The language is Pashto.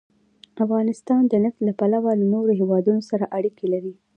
افغانستان د نفت له پلوه له نورو هېوادونو سره اړیکې لري.